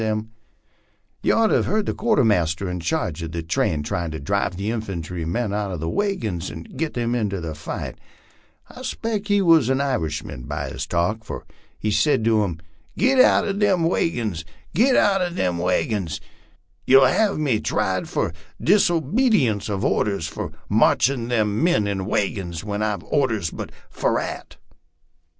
Ye ort to her heard the quartermaster in charge uv the train tryin' to drive the infantry men out of the wagons and git them into the fight. I 'spect he wuz an Irishman by his talk, fur he sed to them, ' Git out uv thim wagons, git out uv thim wagons ; yez '11 hev me tried fur diso badience uv ordhers fur marchin' tin min in a wagon whin I've ordhers but fur ait!'"